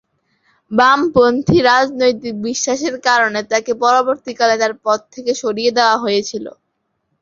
বামপন্থী রাজনৈতিক বিশ্বাসের কারণে তাঁকে পরবর্তীকালে তাঁর পদ থেকে সরিয়ে দেওয়া হয়েছিল।